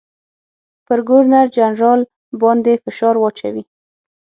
پر ګورنرجنرال باندي فشار واچوي.